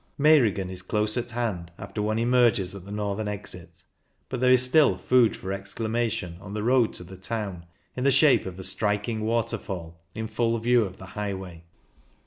Meiringen is close at hand after one emerges at the northern exit, but there is still food for exclamation on the road to the town in the shape of a striking waterfall, in full view of the high way.